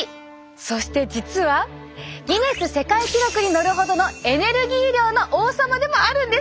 そして実はギネス世界記録に載るほどのエネルギー量の王様でもあるんです。